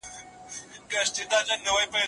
بریالي کسان به تل خپل فعالیتونه ساتي.